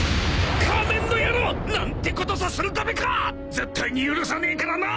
［絶対に許さねえからな！］